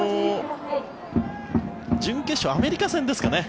準決勝アメリカ戦ですかね。